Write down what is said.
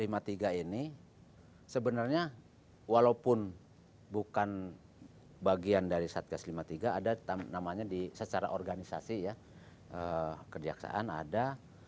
tim satgas lima tb ini sebenarnya walaupun bukan bagian dari satgas lima tb ada namanya secara organisasi ya kerjaksaan ada